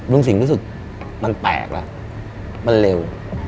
สิงห์รู้สึกมันแปลกแล้วมันเร็ว